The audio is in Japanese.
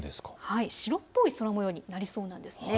白っぽい空もようになりそうです。